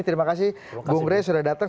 terima kasih bung rey sudah datang